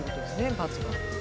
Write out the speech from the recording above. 罰が。